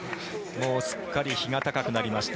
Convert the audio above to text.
もうすっかり日が高くなりました。